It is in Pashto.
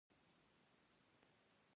د دې سیمې زیاتره هېوادونه اسلامي دي.